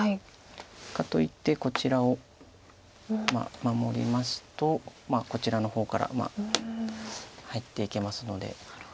かといってこちらを守りますとこちらの方から入っていけますので。